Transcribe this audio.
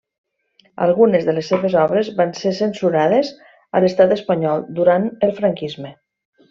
Algunes de les seves obres van ser censurades a l'estat espanyol durant el franquisme.